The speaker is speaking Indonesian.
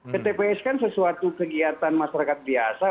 ke tps kan sesuatu kegiatan masyarakat biasa